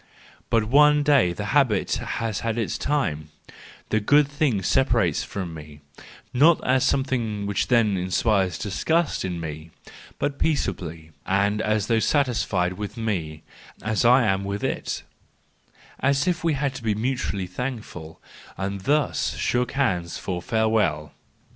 But one day the habit has had its time: the good thing separates from me, not as something which then inspires disgust in me—but peaceably and as though satis¬ fied with me, as I am with it; as if we had to be mutually thankful, and thus shook hands for farewell.